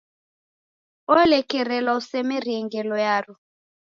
Olekerelwa usemerie ngelo yaro.